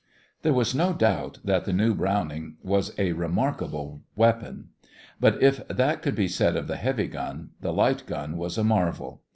There was no doubt that the new Browning was a remarkable weapon. But if that could be said of the heavy gun, the light gun was a marvel.